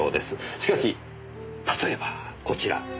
しかし例えばこちら。